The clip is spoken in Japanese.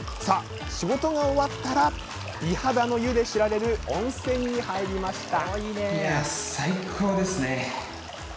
仕事が終わったら美肌の湯で知られる温泉に入りました。